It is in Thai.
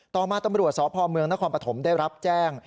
ต่อมาตำรวจสพเมืองนครปฐมได้รับแจ้ง